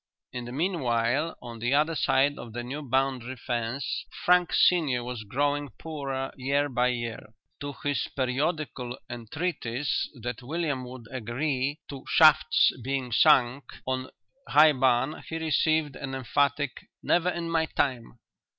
In the meanwhile, on the other side of the new boundary fence, Frank senior was growing poorer year by year. To his periodical entreaties that William would agree to shafts being sunk on High Barn he received an emphatic "Never in my time!"